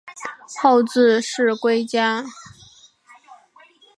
后致仕归家。